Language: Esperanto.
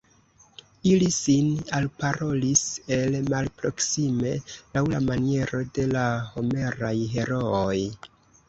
Ili sin alparolis el malproksime, laŭ la maniero de la Homeraj herooj.